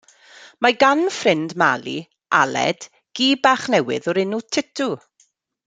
Mae gan ffrind Mali, Aled, gi bach newydd o'r enw Titw.